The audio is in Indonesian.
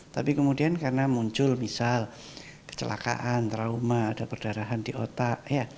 tapi kemudian karena muncul misal kecelakaan trauma ada perdarahan di otak